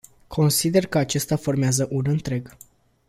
Consider că acesta formează un întreg.